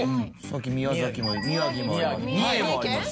宮崎も宮城も三重もあります。